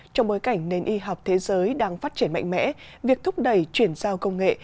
trong bối cảnh nền y học thế giới đang phát triển mạnh mẽ việc thúc đẩy chuyển giao công nghệ